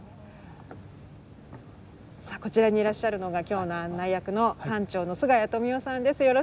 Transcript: さあこちらにいらっしゃるのが今日の案内役の館長の菅谷富夫さんです。